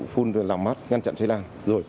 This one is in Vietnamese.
phun làm mát ngăn chặn cháy lan